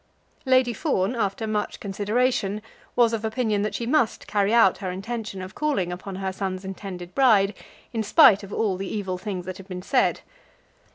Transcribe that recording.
Lady Fawn, after much consideration, was of opinion that she must carry out her intention of calling upon her son's intended bride in spite of all the evil things that had been said.